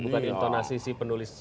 bukan intonasi si penulis